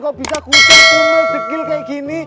kok bisa kusut umur dekil kayak gini